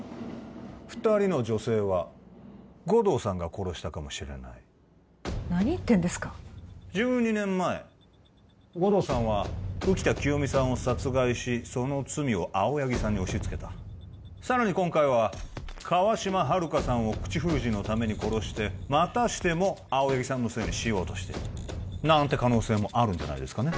二人の女性は護道さんが殺したかもしれない何言ってんですか１２年前護道さんは浮田清美さんを殺害しその罪を青柳さんに押しつけたさらに今回は川島春香さんを口封じのために殺してまたしても青柳さんのせいにしようとしているなんて可能性もあるんじゃないですかね